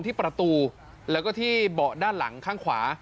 ที่ประตูแล้วก็ที่เบาะด้านหลังข้างขวา